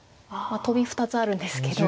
トビ２つあるんですけど。